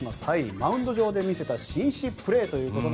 マウンド上で見せた紳士的プレー。